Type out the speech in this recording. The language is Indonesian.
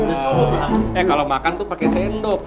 eh kalo makan tuh pake sendok